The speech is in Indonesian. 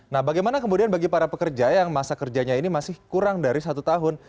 nah bagaimana kemudian bagi para pekerja yang masa kerjanya ini masih kurang dari satu tahun